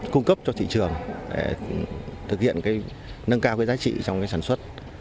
cung cấp cho thị trường để thực hiện nâng cao giá trị trong sản xuất